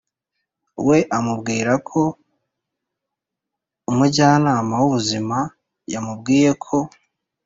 we amubwira ko umujyanama w’ubuzima yamubwiye ko